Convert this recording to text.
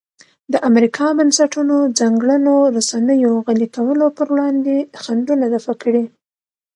د امریکا بنسټونو ځانګړنو رسنیو غلي کولو پر وړاندې خنډونه دفع کړي.